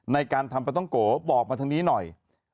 ในการทำปลาต้องโกบอกมาทางนี้หน่อย